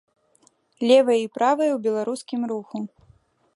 Левыя і правыя ў беларускім руху.